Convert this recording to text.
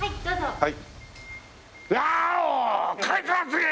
はい。